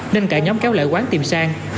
nên cả nhóm kéo lại quán tìm sang